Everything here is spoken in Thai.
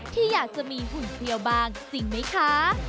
ที่อยากจะมีหุ่นเพลียวบางจริงไหมคะ